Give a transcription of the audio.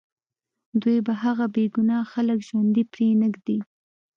دوی به هغه بې ګناه خلک ژوندي پرېنږدي